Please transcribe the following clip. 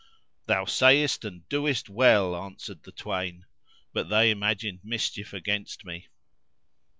"Thou sayest and doest well," answered the twain, but they imagined mischief against me.